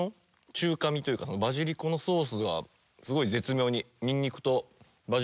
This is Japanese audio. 中華味というかバジリコのソースが絶妙に。